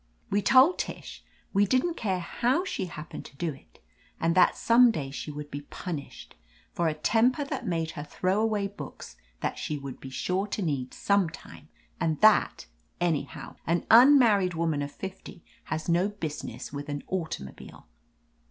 We told Tish we didn't care how she happened to do it, and that some day she would be punished for a temper that made her throw away books that she would be sure to need some time; and that, anyhow, an unmarried woman of fifty has no business with an automobile.